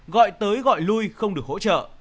gọi tới gọi lui không được hỗ trợ